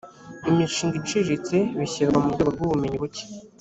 imishinga iciriritse bishyirwa mu rwego rw ubumenyi buke